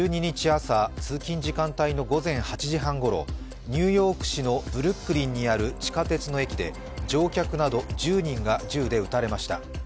朝通勤時間帯の午前８時半ごろニューヨーク市のブルックリンにある地下鉄の駅で乗客など１０人が銃で撃たれました。